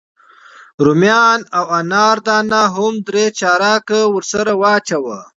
رومیان او انار دانه هم درې چارکه ورسره واچوه.